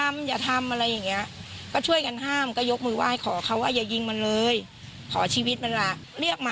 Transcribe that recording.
มันจะเดินตามพี่